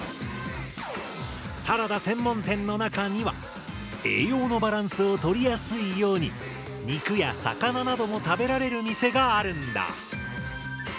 サラダ専門店の中には栄養のバランスを取りやすいように肉や魚なども食べられる店があるんだ。